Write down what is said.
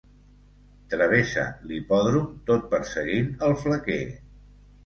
Travessa l'hipòdrom tot perseguint el flequer.